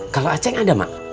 kalo aceh ada mak